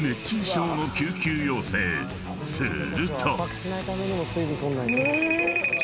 ［すると］